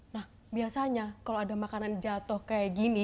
nah biasanya kalau ada makanan jatuh kayak gini